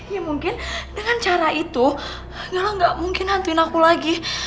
ya mungkin dengan cara itu gak mungkin hantuin aku lagi